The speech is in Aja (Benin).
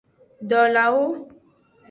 Dolawo.